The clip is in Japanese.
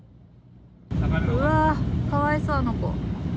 うわー、かわいそう、あの子。